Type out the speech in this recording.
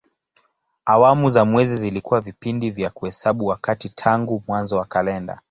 Awamu za mwezi zilikuwa vipindi vya kuhesabu wakati tangu mwanzo wa kalenda.